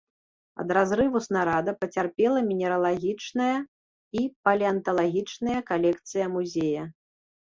Ад разрыву снарада пацярпела мінералагічная і палеанталагічныя калекцыя музея.